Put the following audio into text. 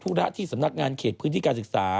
ระที่สำนักงานเขตพื้นที่การศึกษา